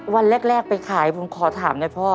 วันแรกไปขายผมขอถามหน่อยพ่อ